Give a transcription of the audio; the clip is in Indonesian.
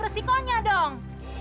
tanggung resikonya dong